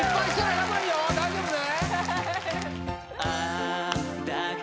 大丈夫ね？